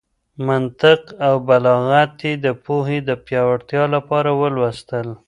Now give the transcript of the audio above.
منطق او بلاغت يې د پوهې د پياوړتيا لپاره ولوستل.